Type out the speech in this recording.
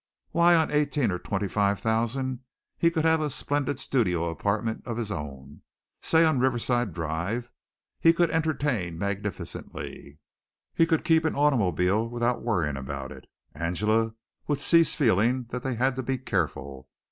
Why, on eighteen or twenty five thousand he could have a splendid studio apartment of his own, say on Riverside Drive; he could entertain magnificently; he could keep an automobile without worrying about it. Angela would cease feeling that they had to be careful.